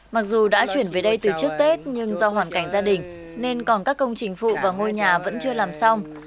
mặc dù đã chuyển về đây từ trước tết nhưng do hoàn cảnh gia đình nên còn các công trình phụ và ngôi nhà vẫn chưa làm xong